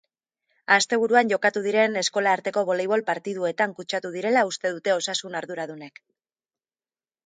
Asteburuan jokatu diren eskola arteko boleibol partiduetan kutsatu direla uste dute osasun arduradunek.